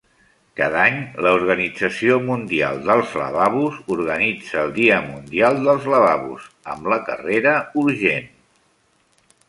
Cada any, la Organització Mundial dels Lavabos organitza el Dia Mundial dels Lavabos amb la "Carrera urgent".